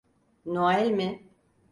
Noel mi?